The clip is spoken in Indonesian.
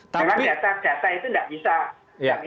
dengan data data itu gak bisa